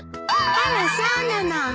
あらそうなの。